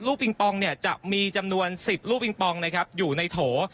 ปิงปองเนี่ยจะมีจำนวน๑๐ลูกปิงปองนะครับอยู่ในโถ